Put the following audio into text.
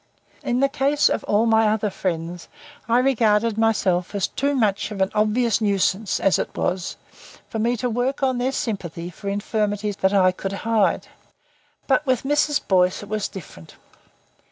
In the case of all my other friends I regarded myself as too much of an obvious nuisance, as it was, for me to work on their sympathy for infirmities that I could hide; but with Mrs. Boyce it was different.